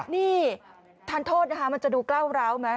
นี่ท่านโทษจะดูเกล้าไหม